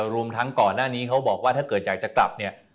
รวมทั้งก่อนหน้านี้เขาบอกว่าถ้าเกิดอยากจะกลับเนี่ย